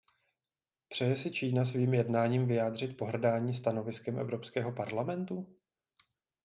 Přeje si Čína svým jednáním vyjádřit pohrdání stanoviskem Evropského parlamentu?